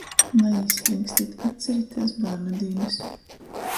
Naīspringstit! Atceritēs bārnu dīnys.